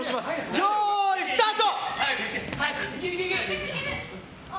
よーい、スタート！